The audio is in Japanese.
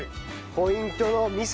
ポイントの味噌。